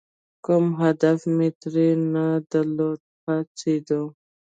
کوم هدف مې ترې نه درلود، پاڅېدو.